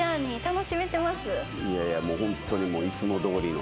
いやいやホントにもういつもどおりの。